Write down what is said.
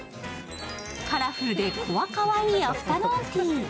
カラフルでこわかわいいアフタヌーンティー